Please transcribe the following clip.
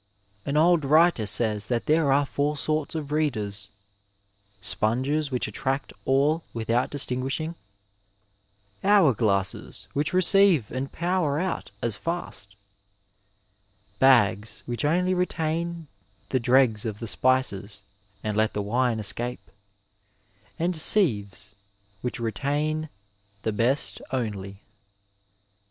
An old writer says that there are four sorts of readers :'' Sponges which attiact all without distinguishing ; Howre glasses which receive and powre out as fast ; Bagges which only retain the dregges of the spices and let the wine escape, and Sives which retaine the best onely."